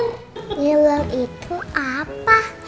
ngilir itu apa